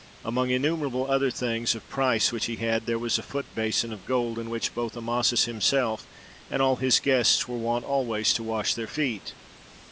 Among innumerable other things of price which he had, there was a foot basin of gold in which both Amasis himself and all his guests were wont always to wash their feet.